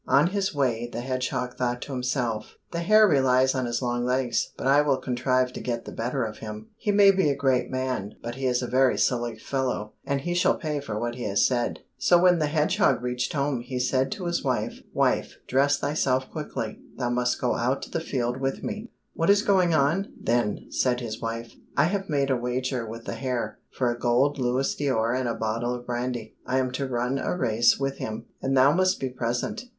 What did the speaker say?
On his way the hedgehog thought to himself, "The hare relies on his long legs, but I will contrive to get the better of him. He may be a great man, but he is a very silly fellow, and he shall pay for what he has said." So when the hedgehog reached home, he said to his wife, "Wife, dress thyself quickly, thou must go out to the field with me." "What is going on, then?" said his wife. "I have made a wager with the hare, for a gold louis d'or and a bottle of brandy. I am to run a race with him, and thou must be present."